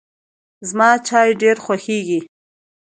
زما چای ډېر خوښیږي.